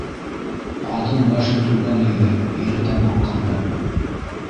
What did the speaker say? - Ҡатын башын түбән эйҙе, ире тамаҡ ҡырҙы.